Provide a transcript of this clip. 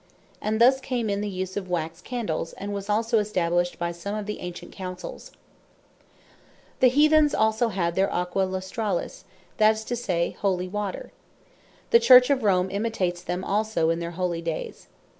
And thus came in the use of Wax Candles; and was also established by some of the ancient Councells. The Heathens had also their Aqua Lustralis, that is to say, Holy Water. The Church of Rome imitates them also in their Holy Dayes.